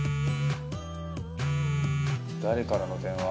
「誰からの電話？」